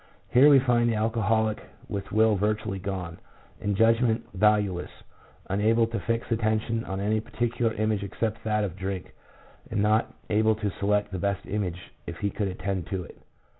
Here we find the alcoholic with will virtually gone, and judgment valueless, unable to fix attention on any particular image except that of drink, and not able to select the best image if he could attend to it.